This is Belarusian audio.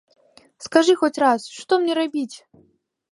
Скажы хоць раз, што мне рабіць?